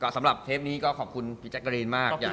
สำหรับเทปนี้ก็ขอบคุณพี่แจ๊กกะรีนมาก